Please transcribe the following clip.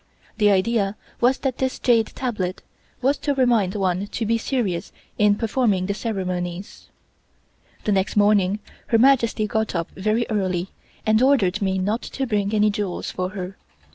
The idea was that this jade tablet was to remind one to be serious in performing the ceremonies. The next morning Her Majesty got up very early and ordered me not to bring any jewels for her.